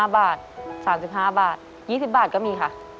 ๕บาท๓๕บาท๒๐บาทก็มีค่ะ